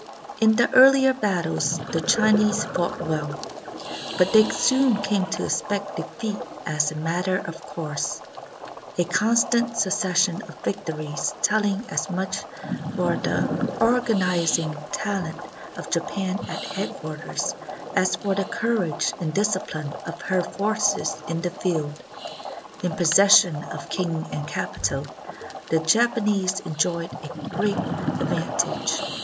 In the earHer battles the Chinese fought well, but they soon came to expect defeat as a matter of course, a con stant succession of victories telling as much for the organ izing talent of Japan at headquarters as for the courage and discipline of her forces in the field. In possession of king and capital, the Japanese enjoyed a great ad vantage.